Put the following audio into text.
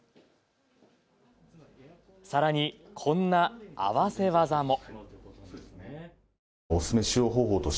さらに、こんな合わせ技も。